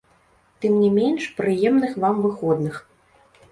Тым не менш, прыемных вам выходных!